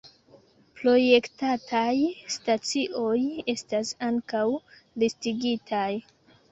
Projektataj stacioj estas ankaŭ listigitaj.